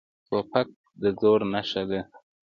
توپک د زور نښه ده.